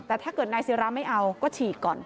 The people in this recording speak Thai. แต่ถ้าเกิดนายศิราไม่เอาก็ฉีกก่อน